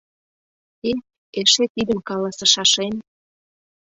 «Эх, эше тидым каласышашем...